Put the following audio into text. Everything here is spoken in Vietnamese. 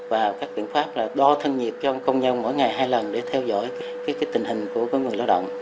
và các biện pháp đo thân nhiệt cho công nhân mỗi ngày hai lần để theo dõi tình hình của người